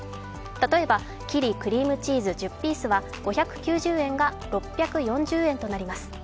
例えば、キリクリームチーズ１０Ｐは５９０円が６４０円となります。